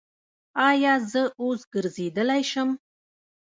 ایا زه اوس ګرځیدلی شم؟